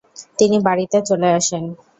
তিনি বাড়িতে চলে আসেন।